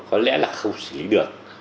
có lẽ là không xử lý được